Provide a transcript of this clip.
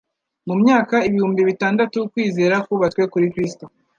Mu myaka ibihumbi bitandatu kwizera kubatswe kuri Kristo.